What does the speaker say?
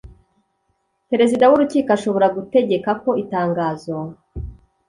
Perezida w Urukiko ashobora gutegeka ko itangazo